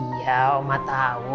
iya oma tau